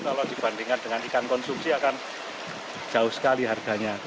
kalau dibandingkan dengan ikan konsumsi akan jauh sekali harganya